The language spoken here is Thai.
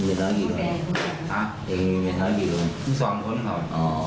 พี่ฮุลหรือมีแมนน้อยหิวหวงเหรอหา